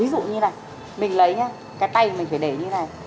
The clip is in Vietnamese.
ví dụ như này mình lấy cái tay mình phải để như này